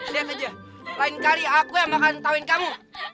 lihat aja lain kali aku yang bakal ngetawain kamu